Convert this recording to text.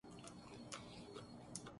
انگریزی سے فارسی لغت ایک اچھا اختیار ہے